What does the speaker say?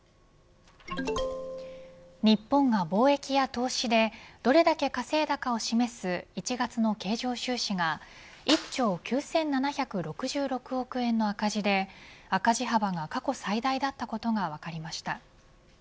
日本が貿易や投資でどれだけ稼いだかを示す１月の経常収支が１兆９７６６億円の赤字で赤字幅が過去最大だったことが分かりました。